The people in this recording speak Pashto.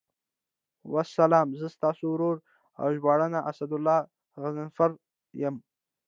والسلام، زه ستاسو ورور او ژباړن اسدالله غضنفر یم.